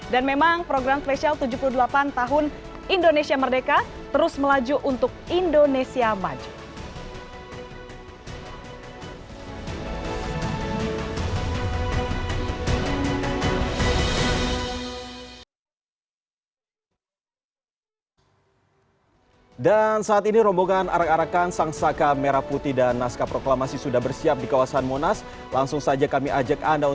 dan memang program spesial tujuh puluh delapan tahun indonesia merdeka terus melaju untuk indonesia maju